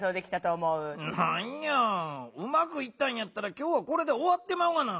なんやうまくいったんやったら今日はこれでおわってまうがな！